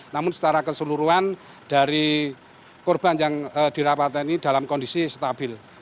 namun secara keseluruhan dari korban yang dirapatkan ini dalam kondisi stabil